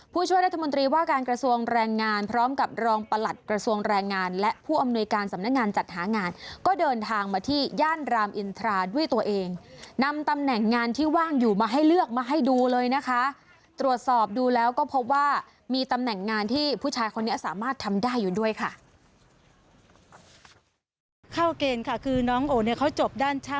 ป่านี้ผมก็คงยังไม่ได้ยืนอยู่อย่างนี้นะครับ